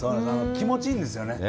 気持ちいいんですよね。